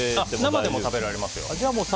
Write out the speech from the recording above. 生でも食べられますよ。